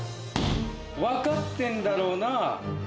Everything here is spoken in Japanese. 分かってんだろうな？